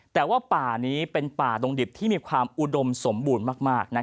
แต่ว่าป่านี้เป็นป่าดงดิบที่มีความอุดมสมบูรณ์มาก